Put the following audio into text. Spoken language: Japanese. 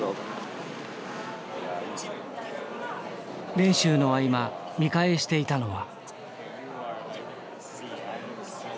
練習の合間見返していたのは。